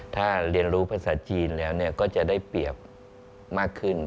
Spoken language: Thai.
ถ้าเรียนรู้ภาษาจีนแล้วก็จะได้เปรียบมากขึ้น